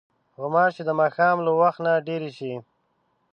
غوماشې د ماښام له وخت نه ډېرې شي.